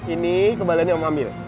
ini kebaliannya om ambil